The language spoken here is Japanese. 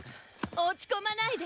落ち込まないで。